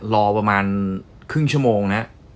รอประมาณครึ่งชั่วโมงนะ